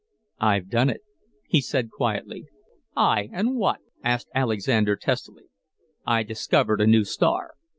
"I've done it," he said quietly. "Aye, and what?" asked Alexander testily. "I discovered a new star."